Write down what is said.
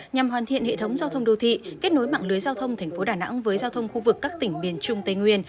nhằm hoàn thiện hệ thống giao thông đô thị kết nối mạng lưới giao thông thành phố đà nẵng với giao thông khu vực các tỉnh miền trung tây nguyên